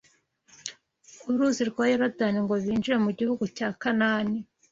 Uruzi rwa Yorodani ngo binjire mu gihugu cya Kanani